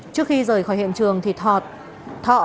trước khi rời khỏi hiện trường thọ đã